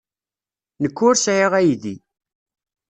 Nekk ur sɛiɣ aydi.